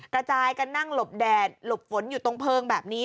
กระจายกันนั่งหลบแดดหลบฝนอยู่ตรงเพลิงแบบนี้